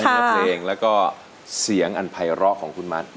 เพียงเพลงแล้วก็เสียงอันไพร่อของคุณมัด